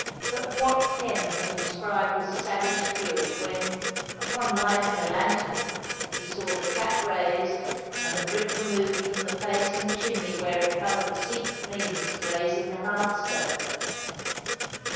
But what pen can describe his savage fury, when, upon lighting a lantern, he saw the trap raised, and the brick removed from the place in the chimney where it covered the secret means of raising the hearth stone?